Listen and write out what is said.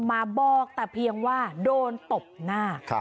มาบอกแต่เพียงว่าโดนตบหน้า